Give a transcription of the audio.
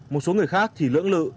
một số người khác thì lưỡng lự